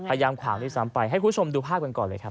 ขวางขวางด้วยซ้ำไปให้คุณผู้ชมดูภาพกันก่อนเลยครับ